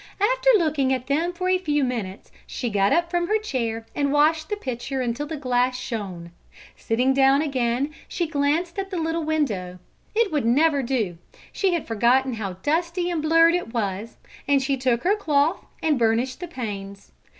After looking at them for a few minutes, she got up from her chair and washed the pitcher until the glass shone. Sitting down again, she glanced at the little window. It would never do; she had forgotten how dusty and blurred it was, and she took her cloth and burnished the panes.